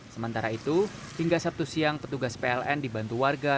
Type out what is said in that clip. sementara itu hingga sabtu siang petugas pln dibantu warga